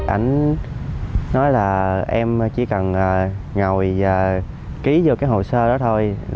anh nói là em chỉ cần ngồi và ký vô cái hồ sơ đó thôi